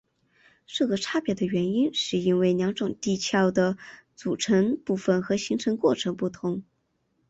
这个差别的原因是因为两种地壳的组成部分和形成过程不同。